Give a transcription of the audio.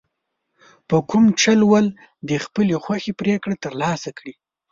په کوم چل ول د خپلې خوښې پرېکړه ترلاسه کړي.